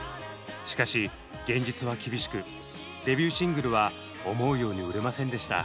しかし現実は厳しくデビューシングルは思うように売れませんでした。